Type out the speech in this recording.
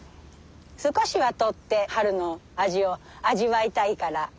少しは採って春の味を味わいたいから。